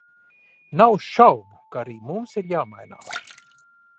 Nav šaubu, ka arī mums ir jāmainās.